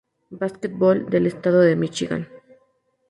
Basketball del estado de Míchigan.